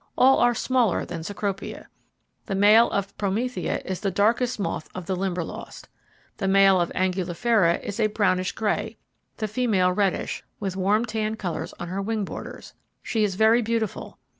All are smaller than Cecropia. The male of Promethea is the darkest moth of the Limberlost. The male of Angulifera is a brownish grey, the female reddish, with warm tan colours on her wing borders. She is very beautiful.